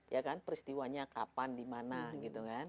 ya kan peristiwanya kapan dimana gitu kan